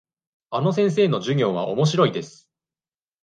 あの先生の授業はおもしろいです。